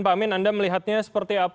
pak amin anda melihatnya seperti apa